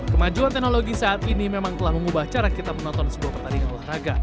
kemajuan teknologi saat ini memang telah mengubah cara kita menonton sebuah pertandingan olahraga